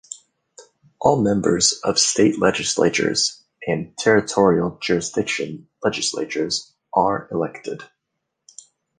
All members of state legislatures and territorial jurisdiction legislatures are elected.